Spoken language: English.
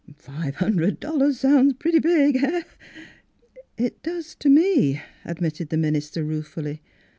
" Five hundred dol lars sounds pretty big — eh? "" It does to me," admitted the minister ruefully.